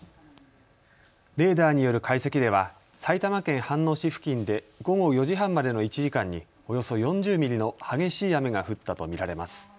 レーダーによる解析では埼玉県飯能市付近で午後４時半までの１時間におよそ４０ミリの激しい雨が降ったと見られます。